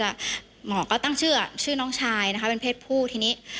แล้วหมอก็ตั้งชื่อชื่อน้องชายนะคะเป็นเพศผู้ทีนี้